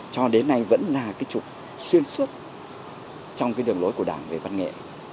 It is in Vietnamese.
cho đến nay vẫn là cái trục xuyên suốt trong cái đường lối của đảng về văn nghệ